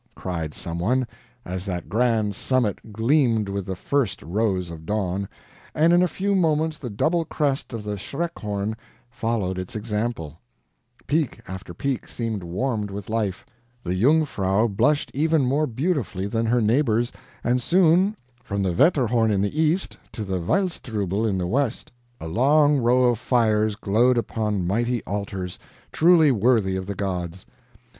cried some one, as that grand summit gleamed with the first rose of dawn; and in a few moments the double crest of the Schreckhorn followed its example; peak after peak seemed warmed with life, the Jungfrau blushed even more beautifully than her neighbors, and soon, from the Wetterhorn in the east to the Wildstrubel in the west, a long row of fires glowed upon mighty altars, truly worthy of the gods.